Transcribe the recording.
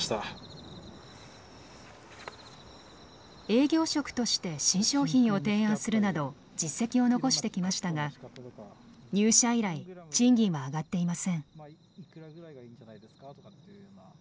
営業職として新商品を提案するなど実績を残してきましたが入社以来賃金は上がっていません。